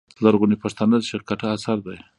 لرغوني پښتانه، شېخ کټه اثر دﺉ.